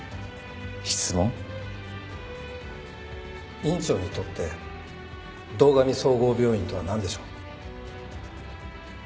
院長にとって堂上総合病院とはなんでしょう？